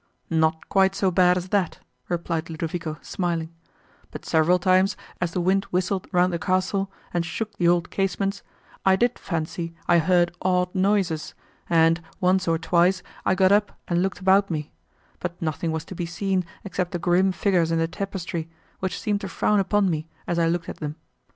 "Not quite so bad as that," replied Ludovico, smiling, "but several times, as the wind whistled round the castle, and shook the old casements, I did fancy I heard odd noises, and, once or twice, I got up and looked about me; but nothing was to be seen, except the grim figures in the tapestry, which seemed to frown upon me, as I looked at them.